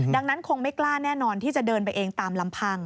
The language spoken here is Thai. ดังนั้นคงไม่กล้าแน่นอนที่จะเดินไปเองตามลำพัง